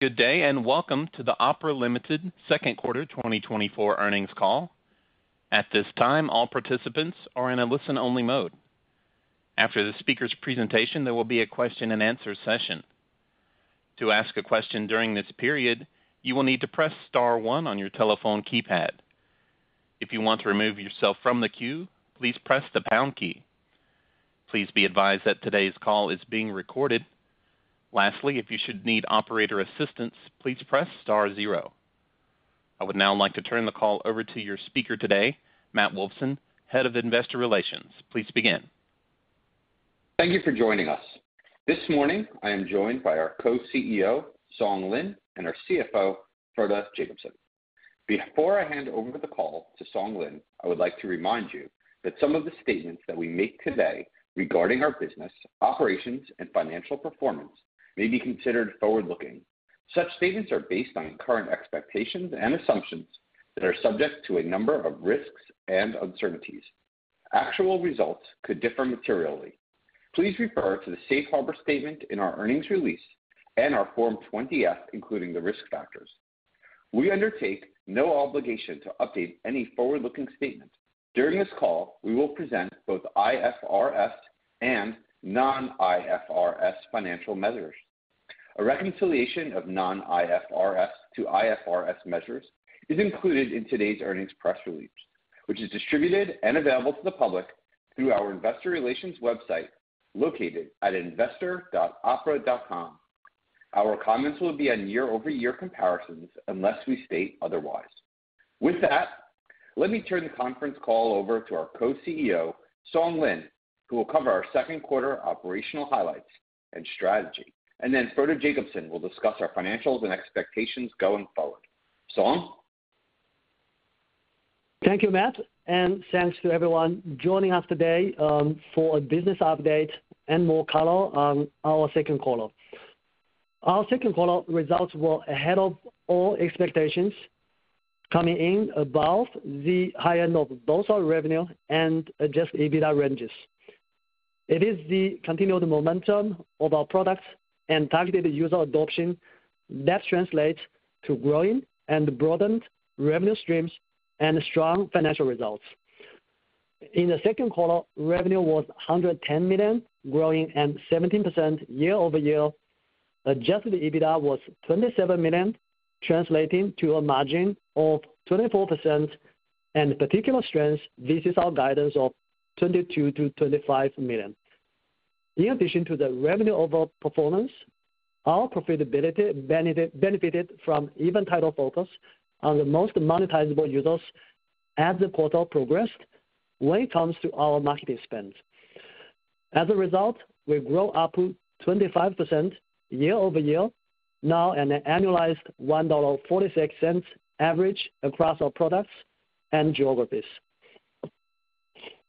Good day, and welcome to the Opera Limited Second Quarter 2024 Earnings Call. At this time, all participants are in a listen-only mode. After the speaker's presentation, there will be a question-and-answer session. To ask a question during this period, you will need to press star one on your telephone keypad. If you want to remove yourself from the queue, please press the pound key. Please be advised that today's call is being recorded. Lastly, if you should need operator assistance, please press star zero. I would now like to turn the call over to your speaker today, Matt Wolfson, Head of Investor Relations. Please begin. Thank you for joining us. This morning, I am joined by our Co-CEO, Song Lin, and our CFO, Frode Jacobsen. Before I hand over the call to Song Lin, I would like to remind you that some of the statements that we make today regarding our business, operations and financial performance may be considered forward-looking. Such statements are based on current expectations and assumptions that are subject to a number of risks and uncertainties. Actual results could differ materially. Please refer to the Safe Harbor statement in our earnings release and our Form 20-F, including the risk factors. We undertake no obligation to update any forward-looking statements. During this call, we will present both IFRS and non-IFRS financial measures. A reconciliation of non-IFRS to IFRS measures is included in today's earnings press release, which is distributed and available to the public through our investor relations website, located at investor.opera.com. Our comments will be on year-over-year comparisons, unless we state otherwise. With that, let me turn the conference call over to our Co-CEO, Song Lin, who will cover our second quarter operational highlights and strategy. And then Frode Jacobsen will discuss our financials and expectations going forward. Song? Thank you, Matt, and thanks to everyone joining us today, for a business update and more color on our second quarter. Our second quarter results were ahead of all expectations, coming in above the high end of both our revenue and adjusted EBITDA ranges. It is the continued momentum of our products and targeted user adoption that translates to growing and broadened revenue streams and strong financial results. In the second quarter, revenue was $110 million, growing at 17% year-over-year. adjusted EBITDA was $27 million, translating to a margin of 24% and particular strength versus our guidance of $22 million-$25 million. In addition to the revenue over performance, our profitability benefited from even tighter focus on the most monetizable users as the quarter progressed when it comes to our marketing spends. As a result, we grow ARPU 25% year-over-year, now an annualized $1.46 average across our products and geographies.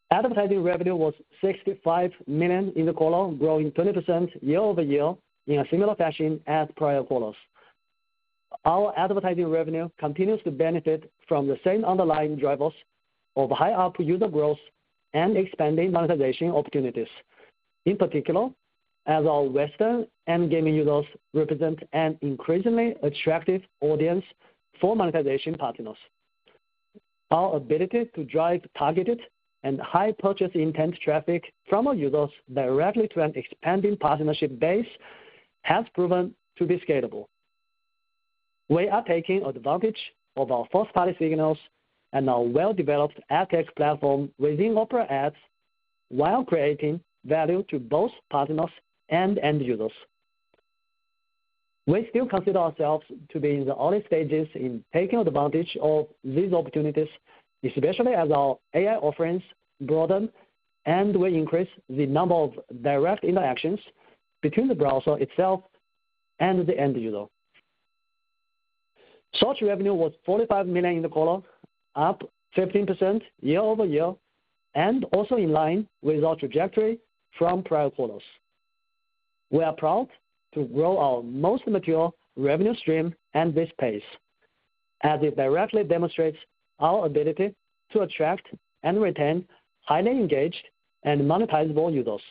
Advertising revenue was $65 million in the quarter, growing 20% year-over-year in a similar fashion as prior quarters. Our advertising revenue continues to benefit from the same underlying drivers of high ARPU user growth and expanding monetization opportunities. In particular, as our Western and gaming users represent an increasingly attractive audience for monetization partners. Our ability to drive targeted and high purchase intent traffic from our users directly to an expanding partnership base has proven to be scalable. We are taking advantage of our first-party signals and our well-developed AdTech platform within Opera Ads, while creating value to both partners and end users. We still consider ourselves to be in the early stages in taking advantage of these opportunities, especially as our AI offerings broaden, and we increase the number of direct interactions between the browser itself and the end user. Search revenue was $45 million in the quarter, up 15% year-over-year, and also in line with our trajectory from prior quarters. We are proud to grow our most mature revenue stream at this pace, as it directly demonstrates our ability to attract and retain highly engaged and monetizable users.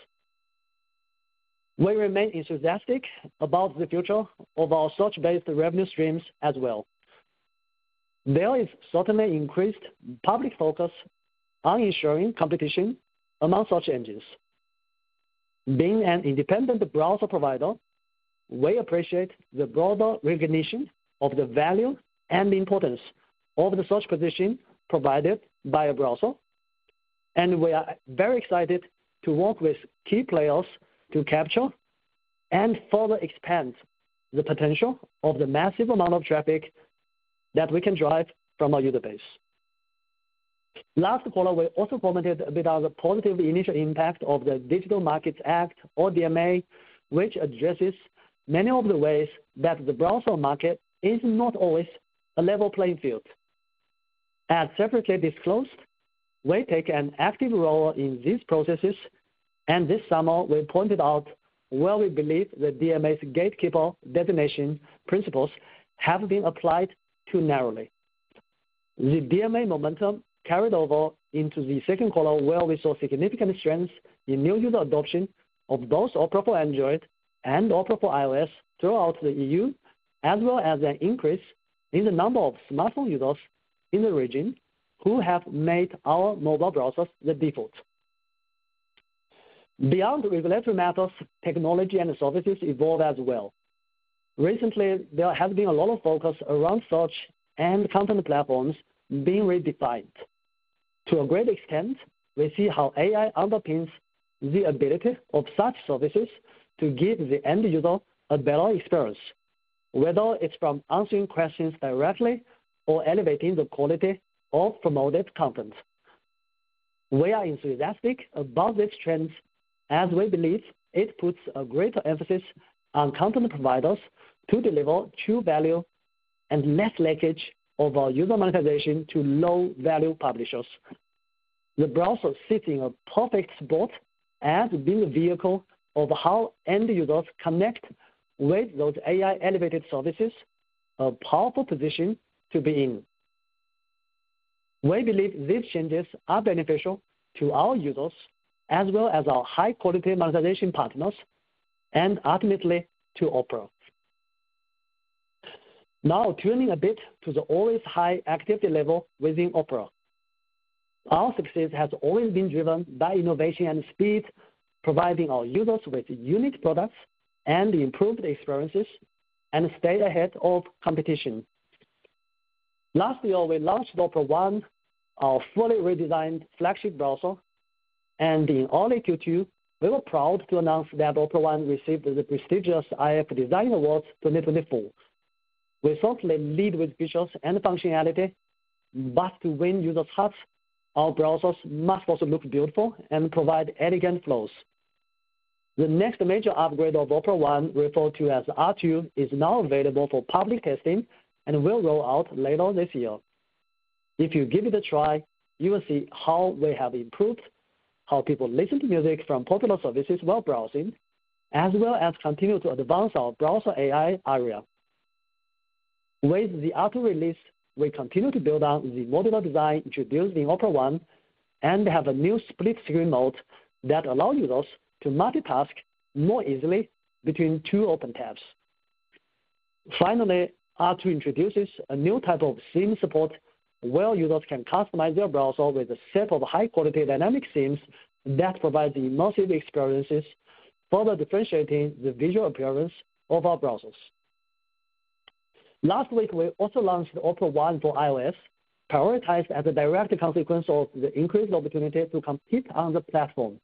We remain enthusiastic about the future of our search-based revenue streams as well. There is certainly increased public focus on ensuring competition among search engines. Being an independent browser provider, we appreciate the broader recognition of the value and importance of the search position provided by a browser, and we are very excited to work with key players to capture and further expand the potential of the massive amount of traffic that we can drive from our user base. Last quarter, we also commented about the positive initial impact of the Digital Markets Act, or DMA, which addresses many of the ways that the browser market is not always a level playing field. As separately disclosed, we take an active role in these processes, and this summer we pointed out where we believe the DMA's Gatekeeper designation principles have been applied too narrowly. The DMA momentum carried over into the second quarter, where we saw significant strength in new user adoption of both Opera for Android and Opera for iOS throughout the EU, as well as an increase in the number of smartphone users in the region who have made our mobile browsers the default. Beyond regulatory matters, technology and services evolve as well. Recently, there has been a lot of focus around search and content platforms being redefined. To a great extent, we see how AI underpins the ability of such services to give the end user a better experience, whether it's from answering questions directly or elevating the quality of promoted content. We are enthusiastic about this trend, as we believe it puts a greater emphasis on content providers to deliver true value and less leakage of our user monetization to low-value publishers. The browser sits in a perfect spot as the main vehicle of how end users connect with those AI-elevated services, a powerful position to be in. We believe these changes are beneficial to our users, as well as our high-quality monetization partners, and ultimately, to Opera. Now, turning a bit to the always high activity level within Opera. Our success has always been driven by innovation and speed, providing our users with unique products and improved experiences, and stay ahead of competition. Last year, we launched Opera One, our fully redesigned flagship browser, and in early Q2, we were proud to announce that Opera One received the prestigious iF Design Award 2024. We certainly lead with visuals and functionality, but when users have, our browsers must also look beautiful and provide elegant flows. The next major upgrade of Opera One, referred to as R2, is now available for public testing and will roll out later this year. If you give it a try, you will see how we have improved, how people listen to music from popular services while browsing, as well as continue to advance our browser AI Aria. With the R2 release, we continue to build on the modular design introduced in Opera One and have a new split screen mode that allows users to multitask more easily between two open tabs. Finally, R2 introduces a new type of theme support, where users can customize their browser with a set of high-quality dynamic themes that provide the immersive experiences, further differentiating the visual appearance of our browsers. Last week, we also launched Opera One for iOS, prioritized as a direct consequence of the increased opportunity to compete on the platform.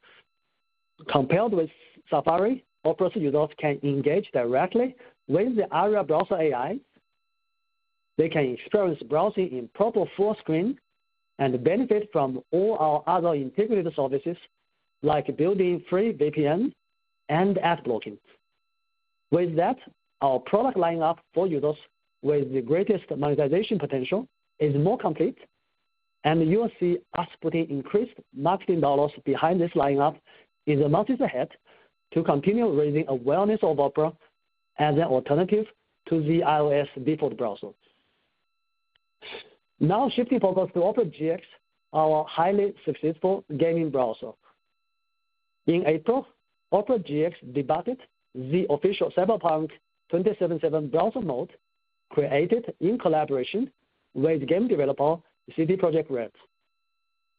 Compared with Safari, Opera users can engage directly with the Aria browser AI. They can experience browsing in proper full screen and benefit from all our other integrated services, like built-in free VPN and ad blocking. With that, our product lineup for users with the greatest monetization potential is more complete, and you will see us putting increased marketing dollars behind this lineup in the months ahead to continue raising awareness of Opera as an alternative to the iOS default browser. Now shifting focus to Opera GX, our highly successful gaming browser. In April, Opera GX debuted the official Cyberpunk 2077 browser mode, created in collaboration with game developer, CD Projekt Red.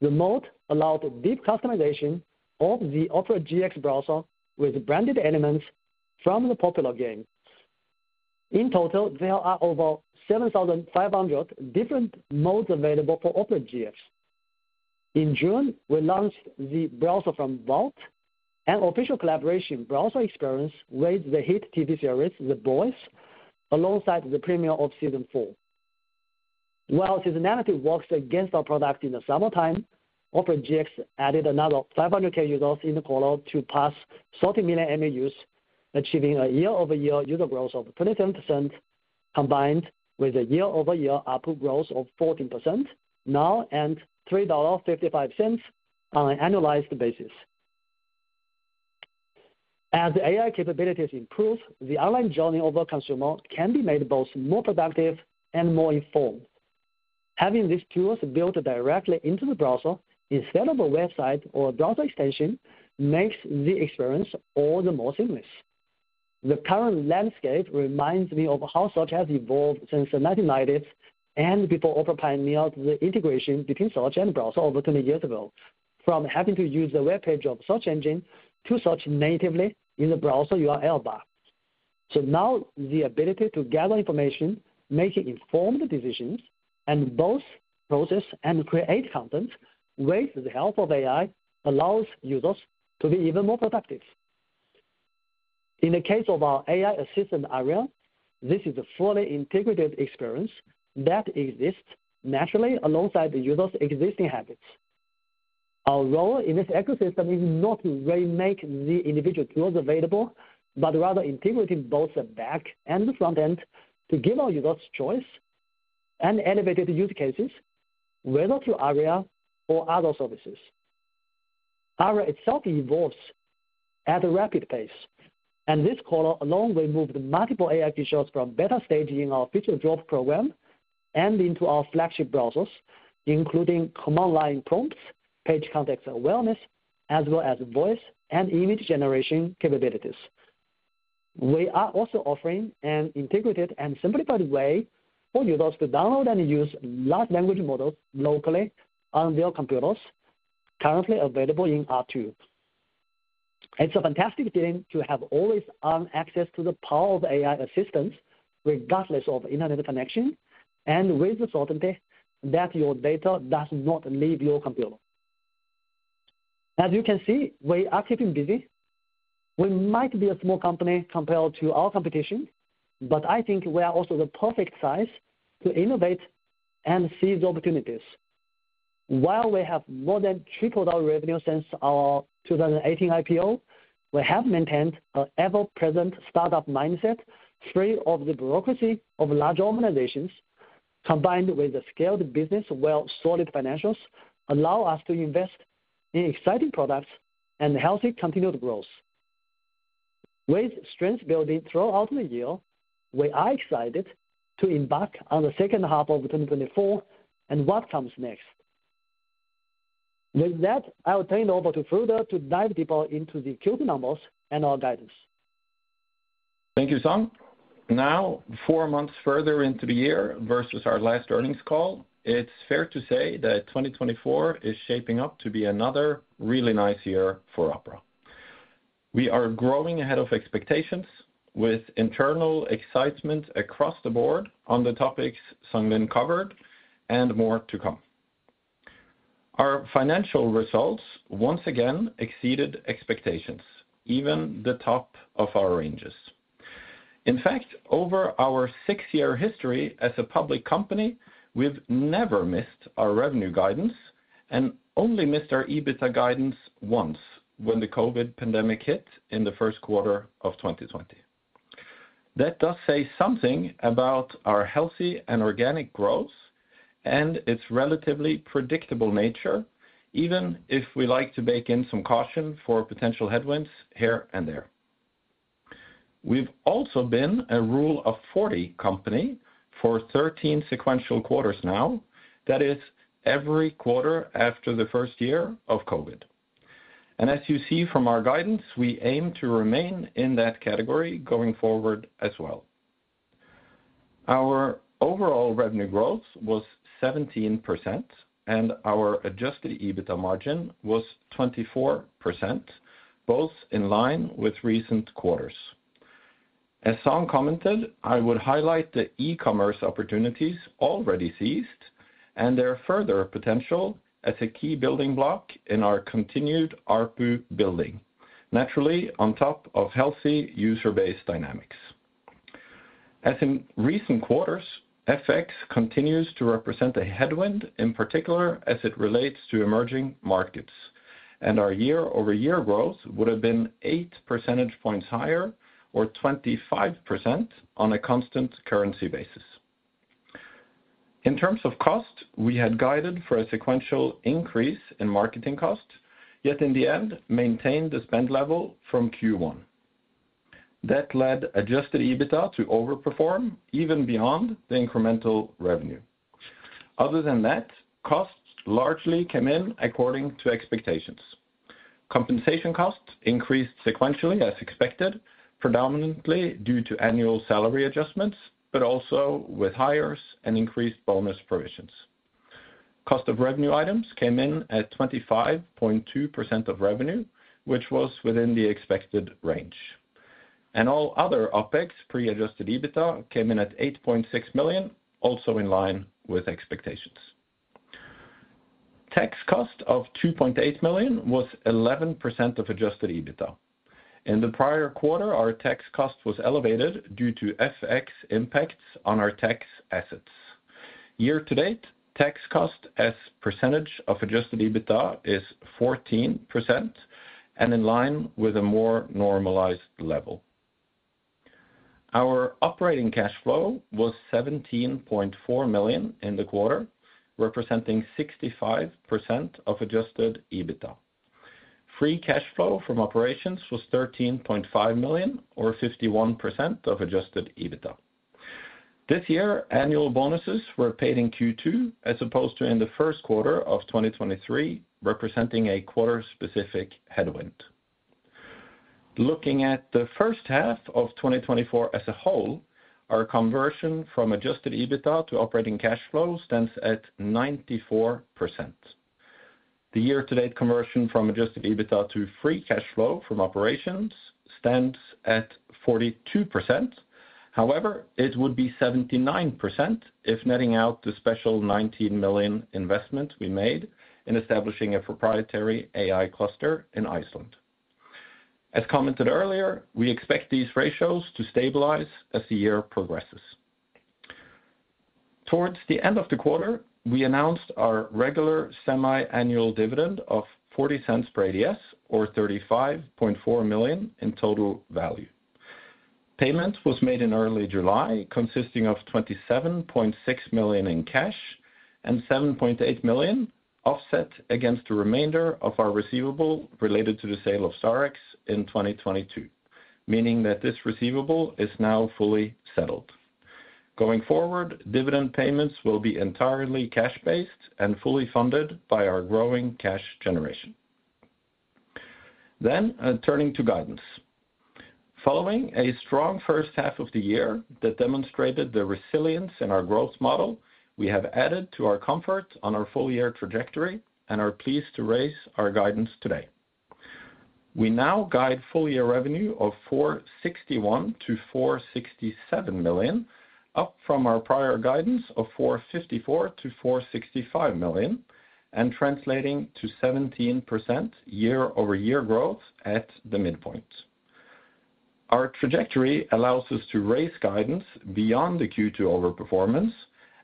The mode allowed deep customization of the Opera GX browser with branded elements from the popular game. In total, there are over 7,500 different modes available for Opera GX. In June, we launched the browser from Vought, an official collaboration browser experience with the hit TV series, The Boys, alongside the premiere of season four. While seasonality works against our product in the summertime, Opera GX added another 500,000 users in the quarter to pass 30 million MAUs, achieving a year-over-year user growth of 27%, combined with a year-over-year ARPU growth of 14%, now at $3.55 on an annualized basis. As the AI capabilities improve, the online journey of a consumer can be made both more productive and more informed. Having these tools built directly into the browser instead of a website or a browser extension, makes the experience all the more seamless. The current landscape reminds me of how search has evolved since the 1990s and before Opera pioneered the integration between search and browser over 20 years ago, from having to use the web page of search engine to search natively in the browser URL bar. So now, the ability to gather information, making informed decisions, and both process and create content with the help of AI, allows users to be even more productive. In the case of our AI assistant, Aria, this is a fully integrated experience that exists naturally alongside the user's existing habits. Our role in this ecosystem is not to remake the individual tools available, but rather integrating both the back and the front end to give our users choice and elevated use cases, whether through Aria or other services. Opera itself evolves at a rapid pace, and this quarter alone, we moved multiple AI features from beta stage in our Feature Drop program and into our flagship browsers, including Command Line prompts, page context awareness, as well as voice and image generation capabilities. We are also offering an integrated and simplified way for users to download and use large language models locally on their computers, currently available in R2. It's a fantastic thing to have always-on access to the power of AI assistance, regardless of internet connection, and with the certainty that your data does not leave your computer. As you can see, we are keeping busy. We might be a small company compared to our competition, but I think we are also the perfect size to innovate and seize opportunities. While we have more than tripled our revenue since our 2018 IPO, we have maintained an ever-present startup mindset, free of the bureaucracy of large organizations, combined with a scaled business, while solid financials allow us to invest in exciting products and healthy continued growth. With strength building throughout the year, we are excited to embark on the second half of 2024 and what comes next. With that, I'll turn it over to Frode to dive deeper into the Q numbers and our guidance. Thank you, Song. Now, four months further into the year versus our last earnings call, it's fair to say that 2024 is shaping up to be another really nice year for Opera. We are growing ahead of expectations, with internal excitement across the board on the topics Song Lin covered, and more to come. Our financial results once again exceeded expectations, even the top of our ranges. In fact, over our six-year history as a public company, we've never missed our revenue guidance, and only missed our EBITDA guidance once, when the COVID pandemic hit in the first quarter of 2020. That does say something about our healthy and organic growth and its relatively predictable nature, even if we like to bake in some caution for potential headwinds here and there. We've also been a Rule of 40 company for 13 sequential quarters now. That is, every quarter after the first year of COVID. As you see from our guidance, we aim to remain in that category going forward as well. Our overall revenue growth was 17%, and our adjusted EBITDA margin was 24%, both in line with recent quarters. As Song commented, I would highlight the e-commerce opportunities already seized and their further potential as a key building block in our continued ARPU building, naturally, on top of healthy user-based dynamics. As in recent quarters, FX continues to represent a headwind, in particular as it relates to emerging markets, and our year-over-year growth would have been eight percentage points higher, or 25%, on a constant currency basis. In terms of cost, we had guided for a sequential increase in marketing costs, yet in the end, maintained the spend level from Q1. That led adjusted EBITDA to overperform even beyond the incremental revenue. Other than that, costs largely came in according to expectations. Compensation costs increased sequentially, as expected, predominantly due to annual salary adjustments, but also with hires and increased bonus provisions. Cost of revenue items came in at 25.2% of revenue, which was within the expected range, and all other OpEx pre-adjusted EBITDA came in at $8.6 million, also in line with expectations. Tax cost of $2.8 million was 11% of adjusted EBITDA. In the prior quarter, our tax cost was elevated due to FX impacts on our tax assets. Year to date, tax cost as percentage of adjusted EBITDA is 14% and in line with a more normalized level. Our operating cash flow was $17.4 million in the quarter, representing 65% of adjusted EBITDA. Free cash flow from operations was $13.5 million, or 51% of adjusted EBITDA. This year, annual bonuses were paid in Q2, as opposed to in the first quarter of 2023, representing a quarter-specific headwind. Looking at the first half of 2024 as a whole, our conversion from adjusted EBITDA to operating cash flow stands at 94%. The year-to-date conversion from adjusted EBITDA to free cash flow from operations stands at 42%. However, it would be 79% if netting out the special $19 million investment we made in establishing a proprietary AI cluster in Iceland. As commented earlier, we expect these ratios to stabilize as the year progresses. Towards the end of the quarter, we announced our regular semi-annual dividend of $0.40 per ADS, or $35.4 million in total value. Payment was made in early July, consisting of $27.6 million in cash and $7.8 million offset against the remainder of our receivable related to the sale of StarX in 2022, meaning that this receivable is now fully settled. Going forward, dividend payments will be entirely cash-based and fully funded by our growing cash generation. Then, turning to guidance. Following a strong first half of the year that demonstrated the resilience in our growth model, we have added to our comfort on our full-year trajectory and are pleased to raise our guidance today. We now guide full-year revenue of $461 million-$467 million, up from our prior guidance of $454 million-$465 million, and translating to 17% year-over-year growth at the midpoint. Our trajectory allows us to raise guidance beyond the Q2 overperformance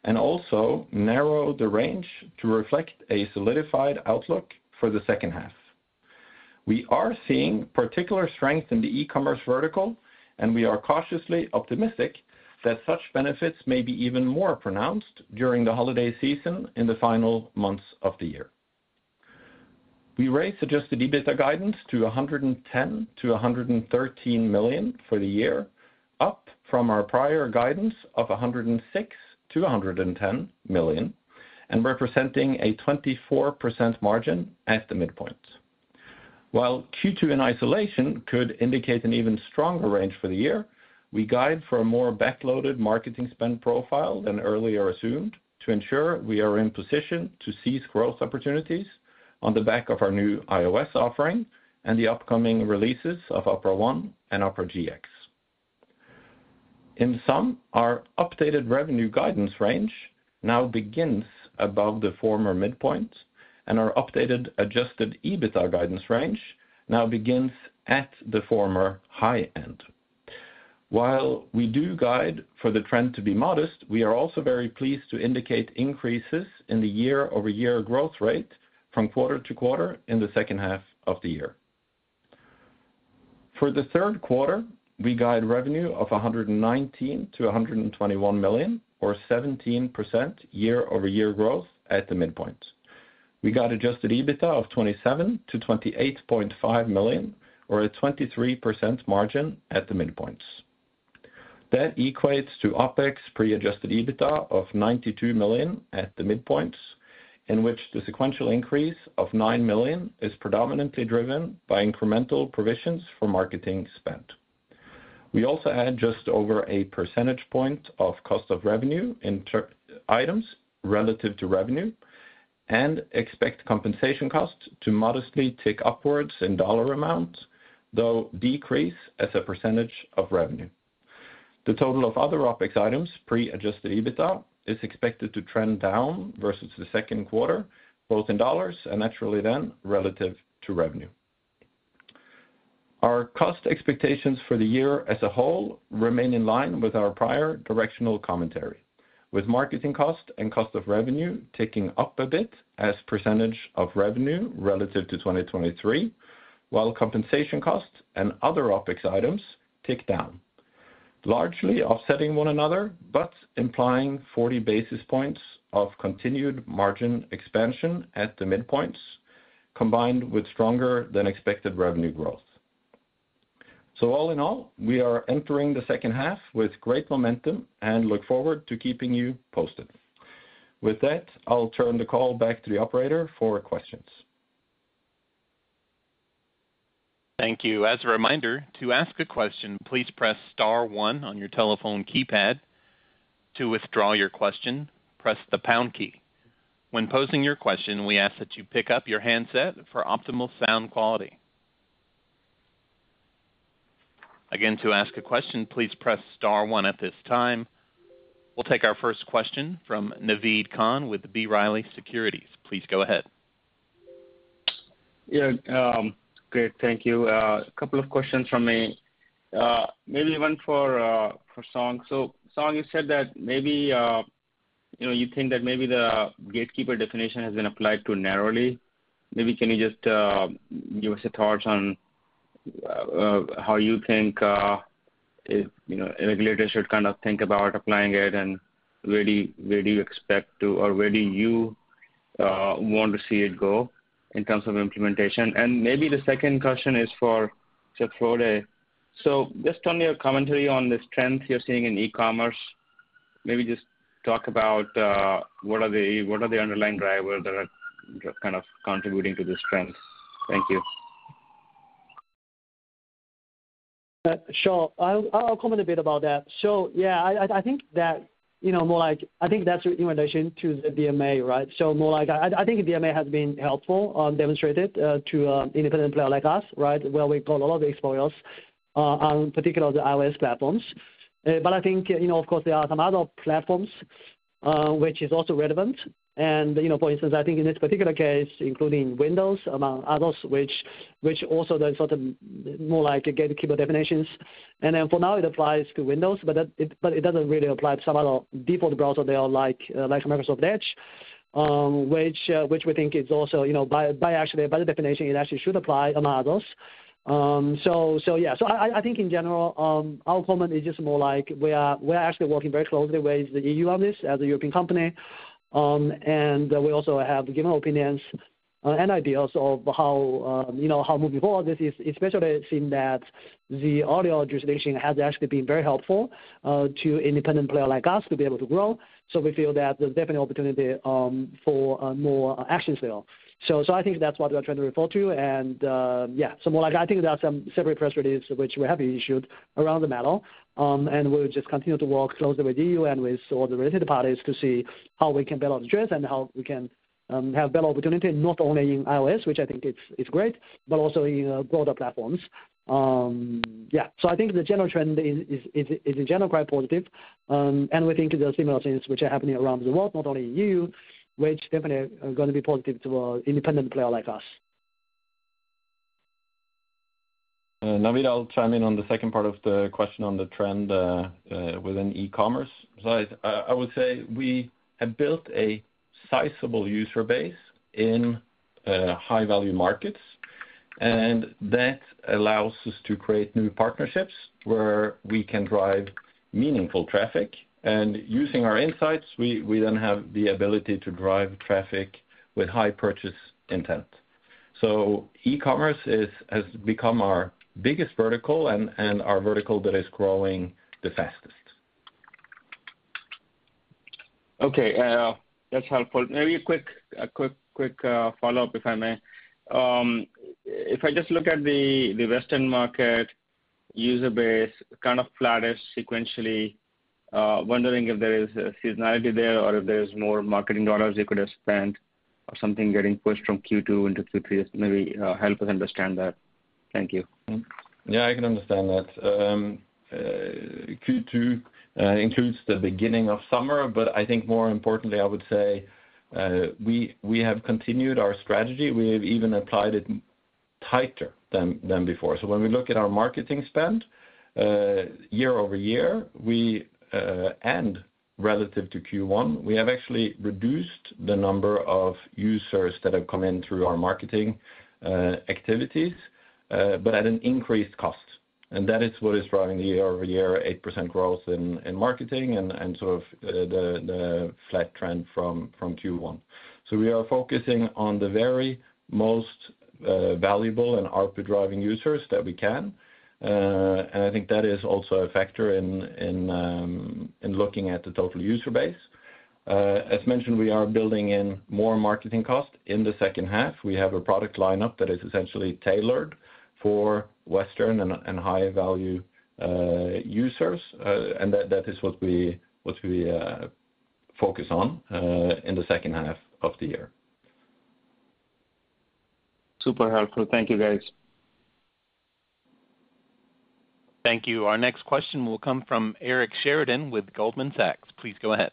and also narrow the range to reflect a solidified outlook for the second half. We are seeing particular strength in the e-commerce vertical, and we are cautiously optimistic that such benefits may be even more pronounced during the holiday season in the final months of the year. We raise adjusted EBITDA guidance to $110 million-$113 million for the year, up from our prior guidance of $106 million-$110 million, and representing a 24% margin at the midpoint. While Q2 in isolation could indicate an even stronger range for the year, we guide for a more backloaded marketing spend profile than earlier assumed to ensure we are in position to seize growth opportunities on the back of our new iOS offering and the upcoming releases of Opera One and Opera GX. In sum, our updated revenue guidance range now begins above the former midpoint, and our updated adjusted EBITDA guidance range now begins at the former high end. While we do guide for the trend to be modest, we are also very pleased to indicate increases in the year-over-year growth rate from quarter to quarter in the second half of the year. For the third quarter, we guide revenue of $119 million-121 million, or 17% year-over-year growth at the midpoint. We got adjusted EBITDA of $27 million-$28.5 million, or a 23% margin at the midpoints. That equates to OpEx pre-adjusted EBITDA of $92 million at the midpoints, in which the sequential increase of $9 million is predominantly driven by incremental provisions for marketing spend. We also add just over a percentage point of cost of revenue in other items relative to revenue and expect compensation costs to modestly tick upwards in dollar amounts, though decrease as a percentage of revenue. The total of other OpEx items, pre-adjusted EBITDA, is expected to trend down versus the second quarter, both in dollars and naturally then relative to revenue. Our cost expectations for the year as a whole remain in line with our prior directional commentary, with marketing cost and cost of revenue ticking up a bit as percentage of revenue relative to 2023, while compensation costs and other OpEx items tick down, largely offsetting one another, but implying forty basis points of continued margin expansion at the midpoints, combined with stronger than expected revenue growth, so all in all, we are entering the second half with great momentum and look forward to keeping you posted. With that, I'll turn the call back to the operator for questions. Thank you. As a reminder, to ask a question, please press star one on your telephone keypad. To withdraw your question, press the pound key. When posing your question, we ask that you pick up your handset for optimal sound quality. Again, to ask a question, please press star one. At this time, we'll take our first question from Naved Khan with B. Riley Securities. Please go ahead. Yeah, great, thank you. A couple of questions from me. Maybe one for Song. So Song, you said that maybe, you know, you think that maybe the gatekeeper definition has been applied too narrowly. Maybe can you just give us your thoughts on how you think, you know, regulators should kind of think about applying it, and where do you want to see it go in terms of implementation? And maybe the second question is for Frode. So just on your commentary on the strength you're seeing in e-commerce, maybe just talk about what are the underlying drivers that are kind of contributing to this trend? Thank you. Sure. I'll comment a bit about that. So yeah, I think that, you know, more like I think that's in relation to the DMA, right? So more like I think the DMA has been helpful on demonstrating to independent player like us, right, where we got a lot of exposure on particular the iOS platforms. But I think, you know, of course, there are some other platforms which is also relevant. And, you know, for instance, I think in this particular case, including Windows among others, which also the sort of more like a gatekeeper definitions. And then for now, it applies to Windows, but it doesn't really apply to some other default browser. They are like like Microsoft Edge. which we think is also, you know, by actually, by the definition, it actually should apply among others. So yeah. So I think in general, our comment is just more like we are, we're actually working very closely with the EU on this as a European company. And we also have given opinions and ideas of how, you know, how moving forward, this is especially seeing that the EU jurisdiction has actually been very helpful to independent player like us to be able to grow. So we feel that there's definitely opportunity for more action still. So I think that's what we're trying to refer to. And yeah, so more like I think there are some separate press release which we have issued around the matter. And we'll just continue to work closely with EU and with all the related parties to see how we can build on strength and how we can have better opportunity, not only in iOS, which I think it's great, but also in broader platforms. Yeah. So I think the general trend is in general quite positive. And we think there are similar things which are happening around the world, not only EU, which definitely are gonna be positive to independent player like us. Naved, I'll chime in on the second part of the question on the trend within e-commerce. So I would say we have built a sizable user base in high-value markets, and that allows us to create new partnerships where we can drive meaningful traffic. And using our insights, we then have the ability to drive traffic with high purchase intent. So e-commerce has become our biggest vertical and our vertical that is growing the fastest. Okay, that's helpful. Maybe a quick follow-up, if I may. If I just look at the Western market, user base kind of flattish sequentially, wondering if there is a seasonality there, or if there's more marketing dollars you could have spent, or something getting pushed from Q2 into Q3? Maybe help us understand that. Thank you. Yeah, I can understand that. Q2 includes the beginning of summer, but I think more importantly, I would say, we have continued our strategy. We have even applied it tighter than before. So when we look at our marketing spend, year-over-year, we, and relative to Q1, we have actually reduced the number of users that have come in through our marketing activities, but at an increased cost. And that is what is driving the year-over-year 8% growth in marketing and sort of the flat trend from Q1. So we are focusing on the very most valuable and ARPU driving users that we can, and I think that is also a factor in looking at the total user base. As mentioned, we are building in more marketing cost in the second half. We have a product lineup that is essentially tailored for Western and high-value users, and that is what we focus on in the second half of the year. Super helpful. Thank you, guys. Thank you. Our next question will come from Eric Sheridan with Goldman Sachs. Please go ahead.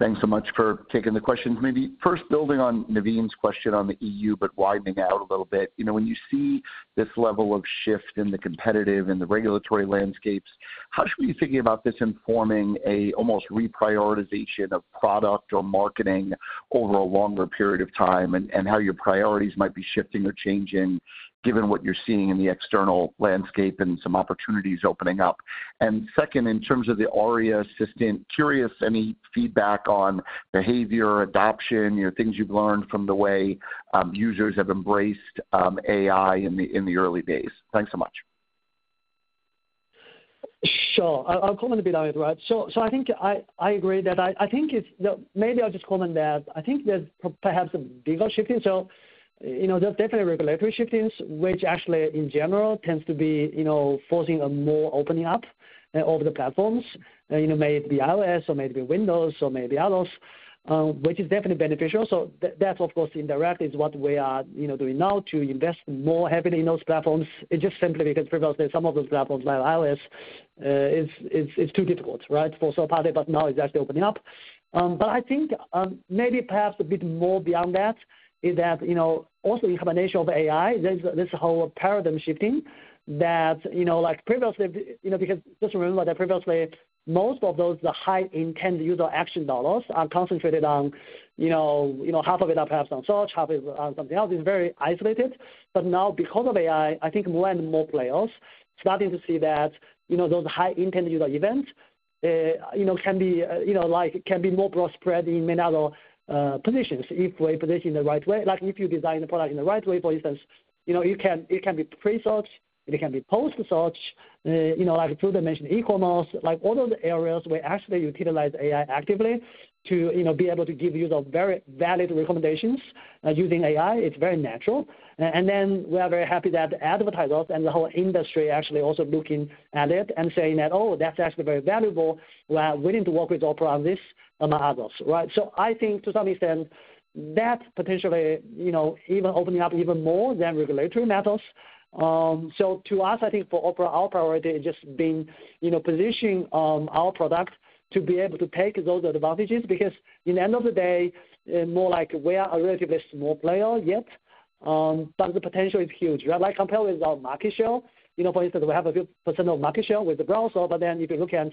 Thanks so much for taking the questions. Maybe first building on Naved's question on the EU, but widening out a little bit. You know, when you see this level of shift in the competitive and the regulatory landscapes, how should we be thinking about this informing a almost reprioritization of product or marketing over a longer period of time? And, and how your priorities might be shifting or changing, given what you're seeing in the external landscape and some opportunities opening up. And second, in terms of the Aria assistant, curious, any feedback on behavior, adoption, you know, things you've learned from the way, users have embraced, AI in the early days? Thanks so much. Sure. I'll comment a bit on it, right, so I think I agree that I think it's, you know, maybe I'll just comment that I think there's perhaps a bigger shift. So you know, there's definitely regulatory shifts, which actually, in general, tends to be, you know, forcing a more opening up of the platforms. You know, may it be iOS, or may it be Windows or maybe others, which is definitely beneficial. So that, of course, indirectly, is what we are, you know, doing now to invest more heavily in those platforms. It just simply because previously, some of those platforms, like iOS, is too difficult, right? For some party, but now it's actually opening up. But I think, maybe perhaps a bit more beyond that is that, you know, also the combination of AI, there's a whole paradigm shifting that, you know, like previously, you know, because just remember that previously, most of those, the high-intent user action dollars are concentrated on, you know, half of it are perhaps on search, half is on something else, is very isolated. But now, because of AI, I think more and more players starting to see that, you know, those high-intent user events, you know, can be, you know, like, can be more broad spread in many other positions if we position the right way. Like, if you design the product in the right way, for instance, you know, it can, it can be pre-search, it can be post-search, you know, like Frode mentioned, e-commerce, like all of the areas we actually utilize AI actively to, you know, be able to give you the very valid recommendations, using AI. It's very natural. And then we are very happy that advertisers and the whole industry actually also looking at it and saying that, "Oh, that's actually very valuable. We're willing to work with Opera on this among others," right? So I think to some extent, that potentially, you know, even opening up even more than regulatory matters. So to us, I think for Opera, our priority has just been, you know, positioning our product to be able to take those advantages, because in the end of the day, more like we are a relatively small player, but the potential is huge, right? Like, compared with our market share, you know, for instance, we have a few % of market share with the browser, but then if you look at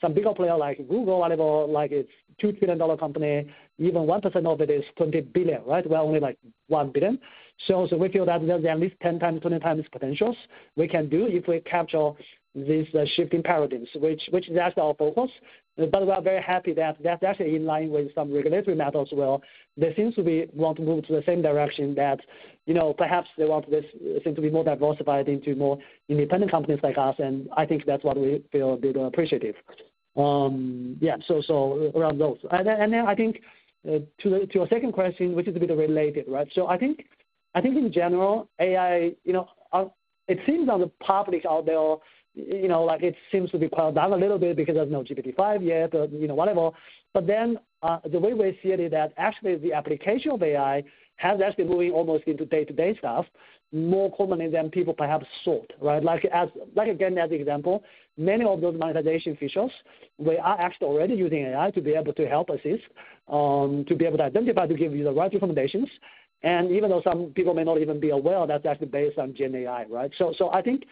some bigger player like Google or whatever, like it's $2 trillion dollar company, even 1% of it is $20 billion, right? We're only, like, $1 billion. So we feel that there are at least 10x, 20x potentials we can do if we capture these shifting paradigms, which that's our focus. But we are very happy that that's actually in line with some regulatory matters as well. There seems to be a want to move to the same direction that, you know, perhaps they want to seem to be more diversified into more independent companies like us, and I think that's what we feel a bit appreciative. Yeah, so around those. Then I think to your second question, which is a bit related, right? So I think in general, AI, you know, it seems on the public out there, you know, like it seems to be powered down a little bit because there's no GPT-5 yet or, you know, whatever. But then the way we see it is that actually the application of AI has actually been moving almost into day-to-day stuff more commonly than people perhaps thought, right? Like, as, like, again, as an example, many of those monetization features, we are actually already using AI to be able to help assist, to be able to identify, to give you the right recommendations. And even though some people may not even be aware, that's actually based on GenAI, right? So I think,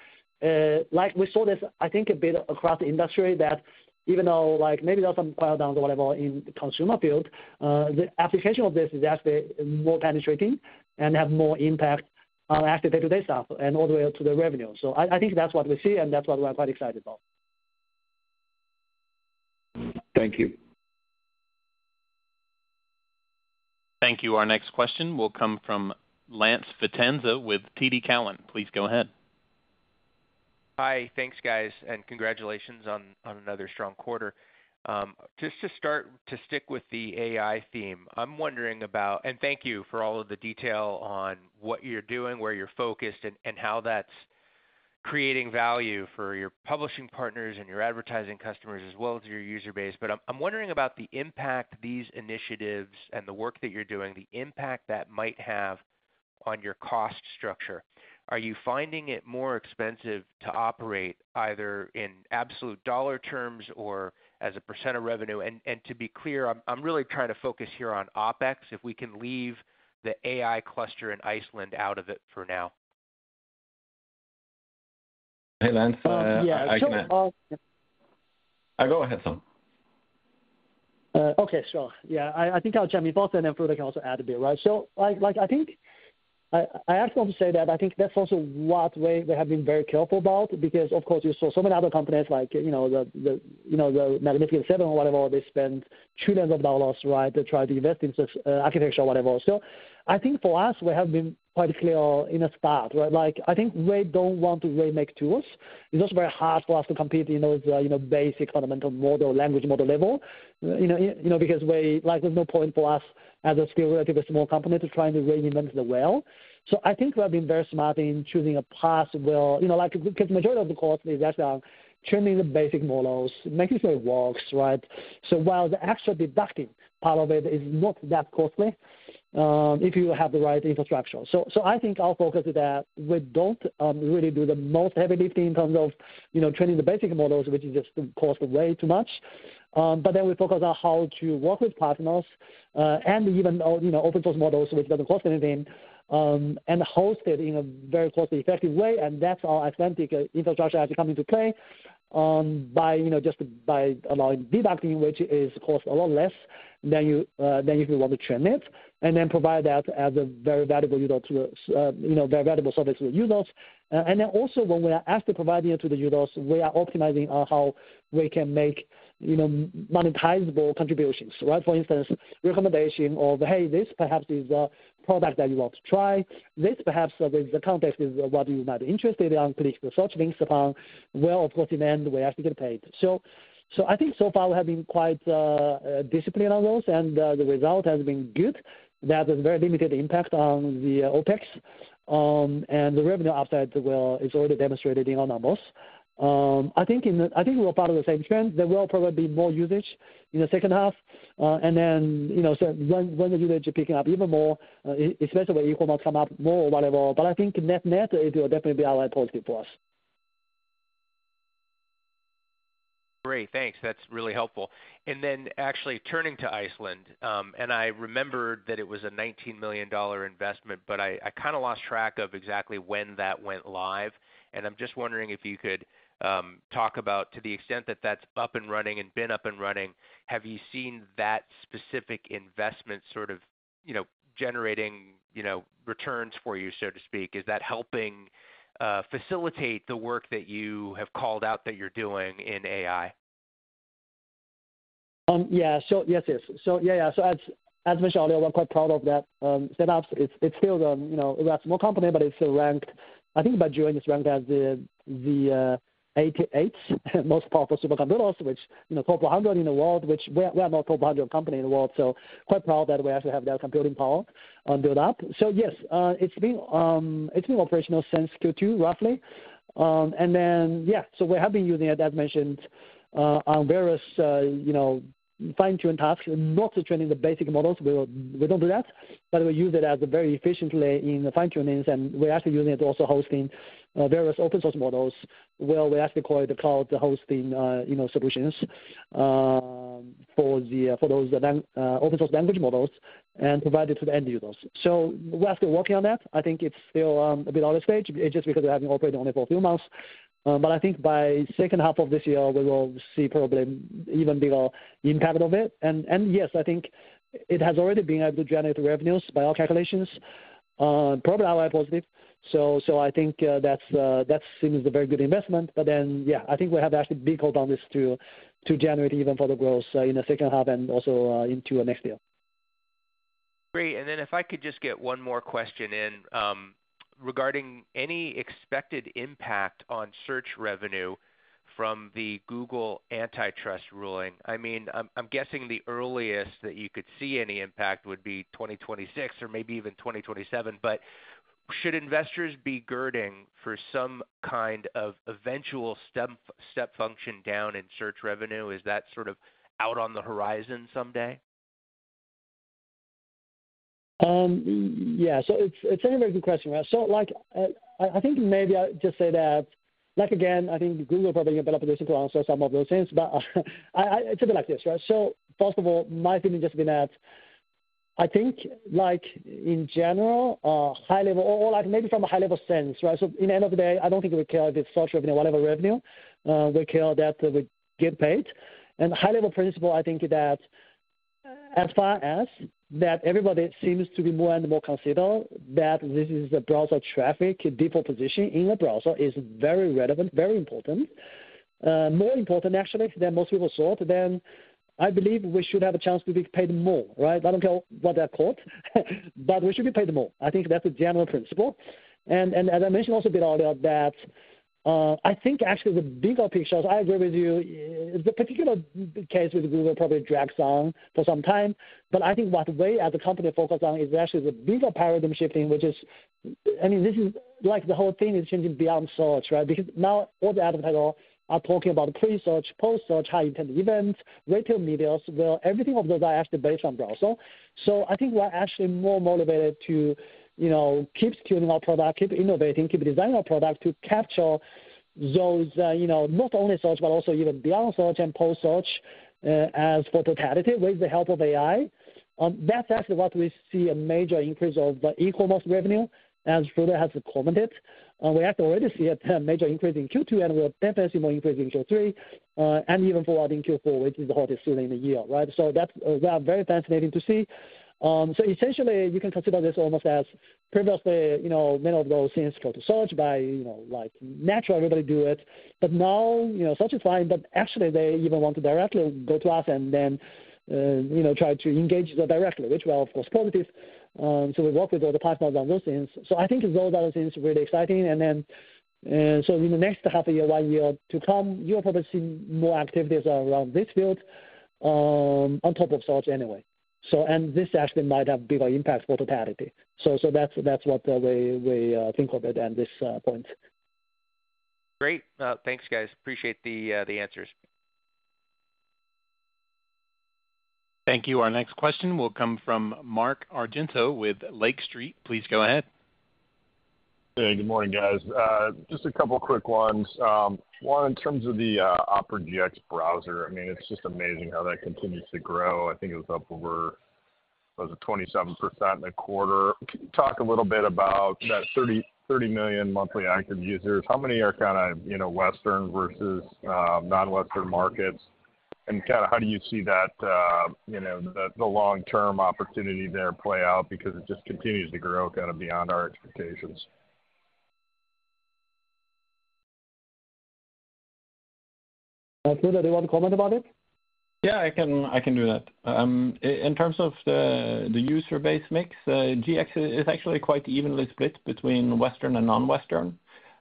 like we saw this, I think a bit across the industry, that even though, like, maybe there's some power downs or whatever in the consumer field, the application of this is actually more penetrating and have more impact on actual day-to-day stuff and all the way up to the revenue. So I think that's what we see, and that's what we're quite excited about. Thank you. Thank you. Our next question will come from Lance Vitanza with TD Cowen. Please go ahead. Hi. Thanks, guys, and congratulations on another strong quarter. Just to start, to stick with the AI theme, I'm wondering about and thank you for all of the detail on what you're doing, where you're focused, and how that's creating value for your publishing partners and your advertising customers, as well as your user base. But I'm wondering about the impact these initiatives and the work that you're doing, the impact that might have on your cost structure. Are you finding it more expensive to operate, either in absolute dollar terms or as a % of revenue? And to be clear, I'm really trying to focus here on OpEx, if we can leave the AI cluster in Iceland out of it for now. Hey, Lance. Yeah, so go ahead, Song. Okay, sure. Yeah, I think I'll jump in first, and then Frode can also add a bit, right? So, like, I actually want to say that I think that's also what we have been very careful about because, of course, you saw so many other companies like, you know, the Magnificent Seven or whatever. They spend trillions of dollars, right, to try to invest in such architecture or whatever. So I think for us, we have been quite clear in the start, right? Like, I think we don't want to really make tools. It's also very hard for us to compete, you know, with the basic fundamental model, language model level. You know, because we, like, there's no point for us as a still relatively small company to try to reinvent the wheel. So I think we have been very smart in choosing a path where, you know, like, because majority of the cost is actually on training the basic models, making sure it works, right? So while the actual deducting part of it is not that costly, if you have the right infrastructure. So I think our focus is that we don't really do the most heavy lifting in terms of, you know, training the basic models, which just costs way too much. But then we focus on how to work with partners, and even you know open source models, which doesn't cost anything, and host it in a very cost-effective way, and that's our own infrastructure as we come into play, by you know just by allowing fine-tuning, which costs a lot less than if you want to train it, and then provide that as a very valuable service to the users. And then also, when we are actually providing it to the users, we are optimizing on how we can make you know monetizable contributions, right? For instance, recommendation of, Hey, this perhaps is a product that you want to try. This perhaps is the context, what you might be interested in: click research links upon where, of course, in the end, we actually get paid. So I think so far we have been quite disciplined on those, and the result has been good. There has been very limited impact on the OpEx, and the revenue upside, well, is already demonstrated in our numbers. I think we're part of the same trend. There will probably be more usage in the second half, and then, you know, so when the usage are picking up even more, especially when e-commerce come up more or whatever, but I think net-net, it will definitely be outright positive for us. Great, thanks. That's really helpful. And then actually turning to Iceland, and I remembered that it was a $19 million investment, but I kinda lost track of exactly when that went live. And I'm just wondering if you could talk about, to the extent that that's up and running and been up and running, have you seen that specific investment sort of, you know, generating, you know, returns for you, so to speak? Is that helping facilitate the work that you have called out that you're doing in AI? So as mentioned earlier, we're quite proud of that setup. It's still the smallest company, but it's still ranked. I think by June, it's ranked as the eighty-eighth most powerful supercomputer, which, you know, top hundred in the world, which we're not top hundred company in the world, so quite proud that we actually have that computing power built up. So yes, it's been operational since Q2, roughly. And then, so we have been using it, as mentioned, on various, you know, fine-tune tasks. Not to train the basic models, we don't do that, but we use it as a very efficiently in the fine-tunings, and we're actually using it to also hosting various open source models, where we actually call it the cloud, the hosting, you know, solutions for those open source language models and provide it to the end users. So we're still working on that. I think it's still a bit early stage, it's just because we're having operated only for a few months. But I think by second half of this year, we will see probably even bigger impact of it. And yes, I think it has already been able to generate revenues. By our calculations, probably positive. So I think that seems a very good investment. Then, yeah, I think we have actually big hope on this to generate even further growth in the second half and also into next year. Great. And then if I could just get one more question in, regarding any expected impact on search revenue from the Google antitrust ruling. I mean, I'm guessing the earliest that you could see any impact would be 2026 or maybe even 2027. But should investors be girding for some kind of eventual step function down in search revenue? Is that sort of out on the horizon someday? Yeah, so it's a very good question, right? So like, I think maybe I just say that, like, again, I think Google probably in a better position to answer some of those things. But it's a bit like this, right? So first of all, my feeling just been that I think, like in general, high level or like maybe from a high level sense, right? So in the end of the day, I don't think we care if it's search or whatever revenue, we care that we get paid. And high level principle, I think that as far as that everybody seems to be more and more considered, that this is a browser traffic. Default position in a browser is very relevant, very important, more important actually, than most people thought. Then I believe we should have a chance to be paid more, right? I don't care what they're called, but we should be paid more. I think that's a general principle. And as I mentioned also a bit earlier, that I think actually the bigger picture, I agree with you. The particular case with Google probably drags on for some time, but I think what we as a company focus on is actually the bigger paradigm shifting, which is... I mean, this is like the whole thing is changing beyond search, right? Because now all the advertisers are talking about pre-search, post-search, high intent events, retail medias, where everything of those are actually based on browser. So I think we're actually more motivated to, you know, keep tuning our product, keep innovating, keep designing our product to capture those, you know, not only search but also even beyond search and post search, as for totality, with the help of AI. That's actually what we see a major increase of e-commerce revenue, as Frode has commented. We actually already see a major increase in Q2, and we're definitely seeing more increase in Q3, and even forwarding Q4, which is the hottest in the year, right? So that's very fascinating to see. So essentially, you can consider this almost as previously, you know, many of those things go to search by, you know, like natural, everybody do it. But now, you know, search is fine, but actually they even want to directly go to us and then, you know, try to engage them directly, which are of course positive. So we work with all the partners on those things. So I think those are things really exciting. And then, so in the next half a year, one year to come, you'll probably see more activities around this field, on top of search anyway. So, and this actually might have bigger impact for totality. So that's what we think of it at this point. Great. Thanks, guys. Appreciate the answers. Thank you. Our next question will come from Mark Argento with Lake Street. Please go ahead. Hey, good morning, guys. Just a couple quick ones. One, in terms of the Opera GX browser, I mean, it's just amazing how that continues to grow. I think it was up over, was it 27% in the quarter? Talk a little bit about that 30 million monthly active users. How many are kind of, you know, Western versus non-Western markets? And kinda how do you see that, you know, the long-term opportunity there play out? Because it just continues to grow kind of beyond our expectations. Frode, do you want to comment about it? Yeah, I can, I can do that. In terms of the user base mix, GX is actually quite evenly split between Western and non-Western,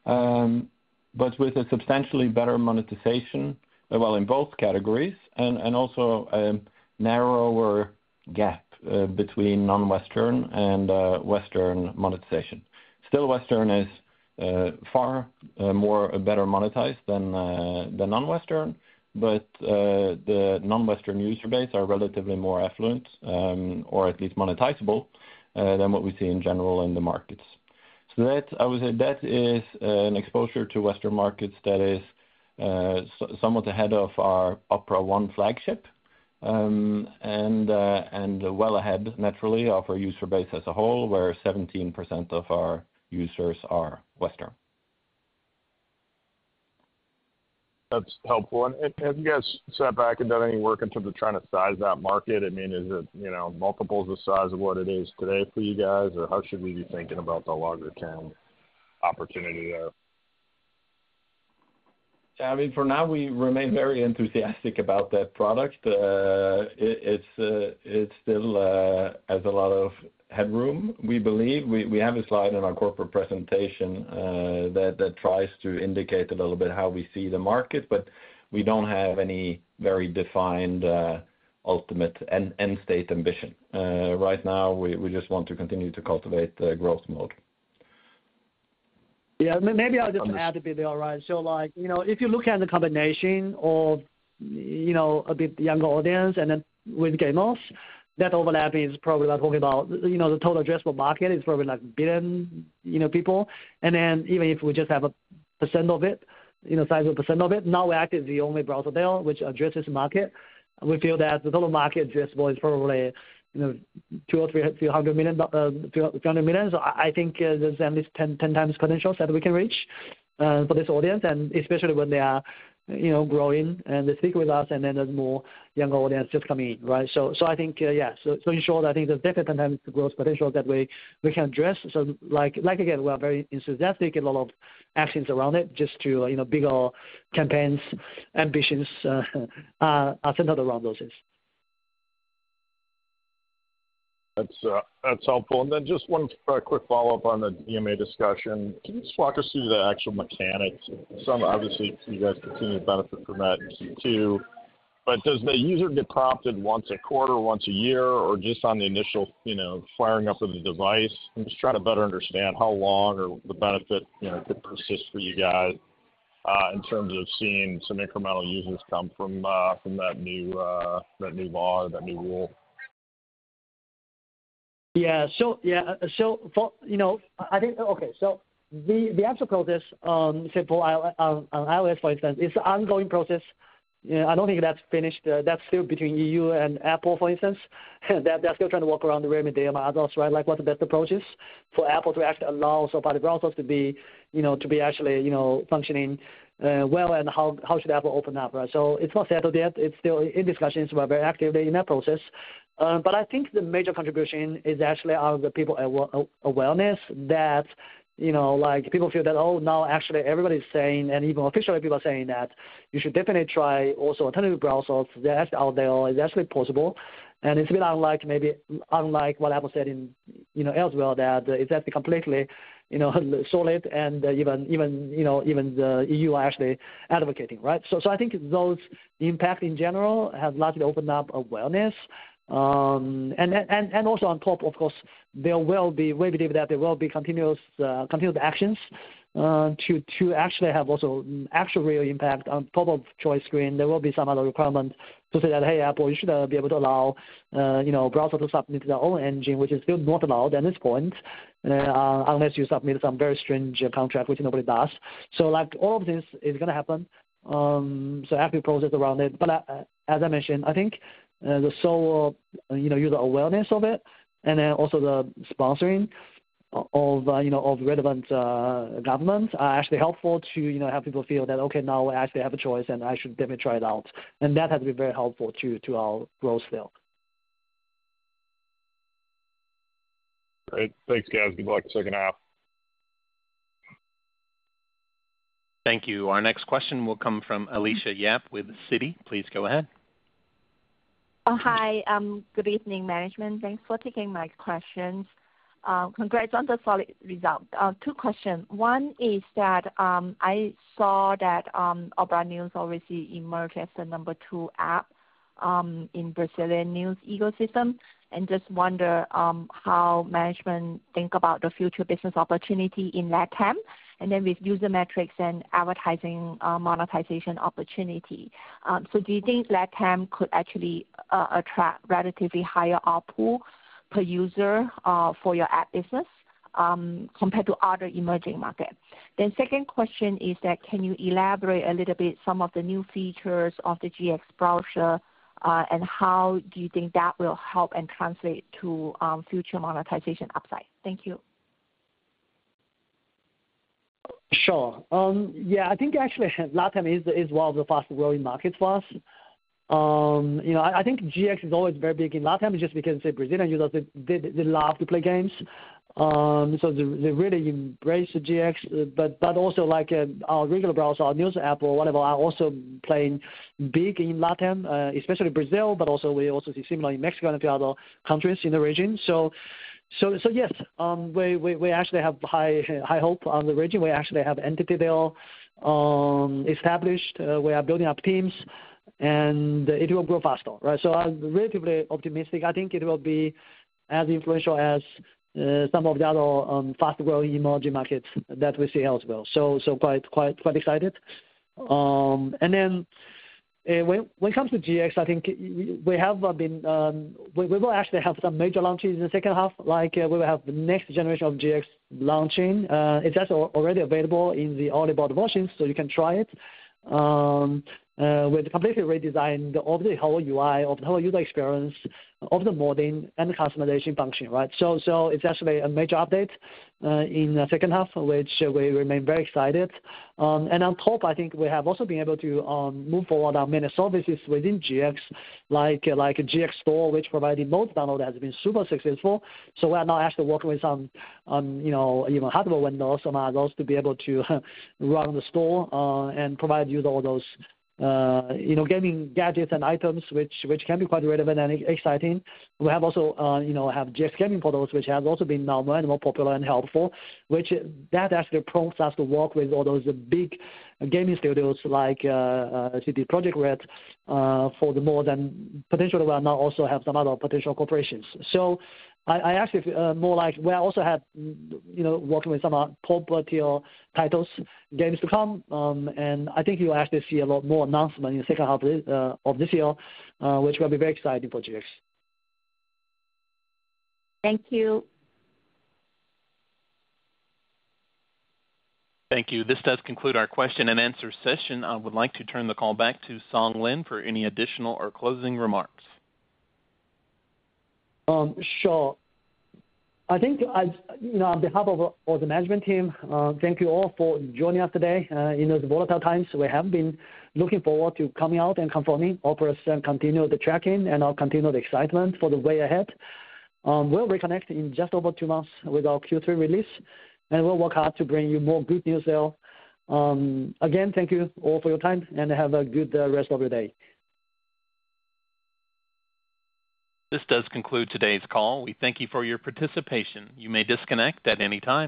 but with a substantially better monetization, well, in both categories, and also a narrower gap between non-Western and Western monetization. Still, Western is far more better monetized than the non-Western, but the non-Western user base are relatively more affluent, or at least monetizable, than what we see in general in the markets. So that, I would say that is an exposure to Western markets that is somewhat ahead of our Opera One flagship, and well ahead, naturally, of our user base as a whole, where 17% of our users are Western. That's helpful. And, have you guys sat back and done any work in terms of trying to size that market? I mean, is it, you know, multiples the size of what it is today for you guys, or how should we be thinking about the longer term opportunity there? I mean, for now, we remain very enthusiastic about that product. It's still has a lot of headroom. We believe we have a slide in our corporate presentation that tries to indicate a little bit how we see the market, but we don't have any very defined ultimate end state ambition. Right now, we just want to continue to cultivate the growth mode. Yeah, maybe I'll just add a bit there, right? So like, you know, if you look at the combination of, you know, a bit younger audience and then with gamers, that overlap is probably like talking about, you know, the total addressable market is probably like billion, you know, people. And then even if we just have a percent of it, you know, size of percent of it. Now, we act as the only browser there which addresses the market. We feel that the total market addressable is probably, you know, two or three, few hundred million, few hundred million. So I think, there's at least 10x potentials that we can reach for this audience, and especially when they are, you know, growing, and they stick with us, and then there's more younger audience just coming in, right? So, in short, I think there's definitely potential growth potential that we can address. So like, again, we are very enthusiastic and a lot of actions around it, just to, you know, bigger campaigns, ambitions, as another round of those is. That's, that's helpful. And then just one quick follow-up on the DMA discussion. Can you just walk us through the actual mechanics? Some, obviously, you guys continue to benefit from that in Q2. But does the user get prompted once a quarter, once a year, or just on the initial, you know, firing up of the device? I'm just trying to better understand how long or the benefit, you know, could persist for you guys, in terms of seeing some incremental users come from that new law or that new rule. Yeah. So, yeah, so for, you know, I think. Okay, so the actual process, simple, on iOS, for instance, is an ongoing process. I don't think that's finished. That's still between EU and Apple, for instance. They're still trying to work around the remedy among others, right? Like, what the best approach is for Apple to actually allow some other browsers to be, you know, to be actually, you know, functioning, well, and how should Apple open up, right? So it's not settled yet. It's still in discussions. We're very actively in that process. But I think the major contribution is actually the awareness that, you know, like, people feel that, oh, now actually everybody's saying, and even officially people are saying that you should definitely try also alternative browsers. They're actually out there. It's actually possible, and it's been unlike, maybe unlike what Apple said in, you know, as well, that it's actually completely, you know, solid, and even, you know, even the EU are actually advocating, right? So, I think those impact in general have largely opened up awareness, and then also on top, of course, there will be. We believe that there will be continuous actions to actually have also actual real impact on top of choice screen. There will be some other requirement to say that, "Hey, Apple, you should be able to allow, you know, browser to submit their own engine," which is still not allowed at this point, unless you submit some very strange contract, which nobody does. So like, all of this is gonna happen. So happy process around it. But as I mentioned, I think the slow, you know, user awareness of it, and then also the sponsoring of, you know, of relevant governments are actually helpful to, you know, have people feel that, okay, now I actually have a choice, and I should definitely try it out. And that has been very helpful to our growth scale. Great. Thanks, guys. Good luck with the second half. Thank you. Our next question will come from Alicia Yap with Citi. Please go ahead. Hi. Good evening, management. Thanks for taking my questions. Congrats on the solid result. Two questions. One is that, I saw that, Opera News already emerged as the number two app, in Brazilian news ecosystem, and just wonder, how management think about the future business opportunity in LatAm, and then with user metrics and advertising, monetization opportunity. So do you think LatAm could actually, attract relatively higher ARPU per user, for your app business, compared to other emerging markets? Then second question is that, can you elaborate a little bit some of the new features of the GX browser, and how do you think that will help and translate to, future monetization upside? Thank you. Sure. Yeah, I think actually, LatAm is one of the fastest-growing markets for us. You know, I think GX is always very big in LatAm, just because the Brazilian users, they love to play games. So they really embrace the GX, but also, like, our regular browser, our news app or whatever, are also playing big in LatAm, especially Brazil, but also we also see similarly in Mexico and a few other countries in the region. So yes, we actually have high hope on the region. We actually have entity there, established. We are building up teams, and it will grow faster, right? So I'm relatively optimistic. I think it will be as influential as some of the other fast-growing emerging markets that we see as well. So quite excited. And then, when it comes to GX, I think we have been. We will actually have some major launches in the second half, like, we will have the next generation of GX launching. It's actually already available in the Early Bird version, so you can try it. We've completely redesigned of the whole UI, of the whole user experience, of the modding and customization function, right? So it's actually a major update in the second half, which we remain very excited. And on top, I think we have also been able to move forward on many services within GX, like GX Store, which providing both download, has been super successful. So we are now actually working with some, you know, even hardware vendors among others, to be able to run the store, and provide users all those, you know, gaming gadgets and items, which can be quite relevant and exciting. We have also, you know, GX gaming portals, which has also been now more and more popular and helpful, which actually prompts us to work with all those big gaming studios like CD Projekt Red, for the more than... Potentially, we'll now also have some other potential corporations. So I actually, more like we also have, you know, working with some top material titles, games to come. and I think you will actually see a lot more announcement in the second half of this year, which will be very exciting for GX. Thank you. Thank you. This does conclude our question and answer session. I would like to turn the call back to Song Lin for any additional or closing remarks. Sure. I think, you know, on behalf of the management team, thank you all for joining us today. You know, in these volatile times, we have been looking forward to coming out and confirming Opera still continues on track, and I'll continue the excitement for the way ahead. We'll reconnect in just over two months with our Q3 release, and we'll work hard to bring you more good news there. Again, thank you all for your time, and have a good rest of your day. This does conclude today's call. We thank you for your participation. You may disconnect at any time.